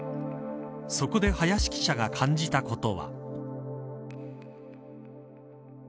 そこで林記者が感じたことは。